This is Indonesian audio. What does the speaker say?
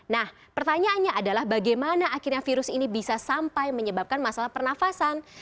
nah pertanyaannya adalah bagaimana akhirnya virus ini bisa sampai menyebabkan masalah pernafasan